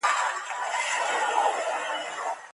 ایم ار آی ماشین څنګه کار کوي؟